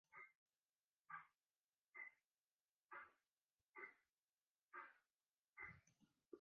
Sylvia waard de sneintenachts mei hartklachten opnommen yn it sikehûs.